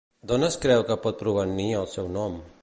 D'on es creu que pot provenir el seu nom?